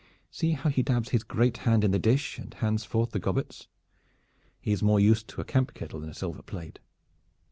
See how he dabs his great hand in the dish and hands forth the gobbets. He is more used to a camp kettle than a silver plate.